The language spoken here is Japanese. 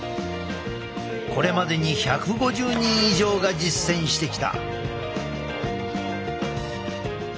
これまでに１５０人以上が実践してきた。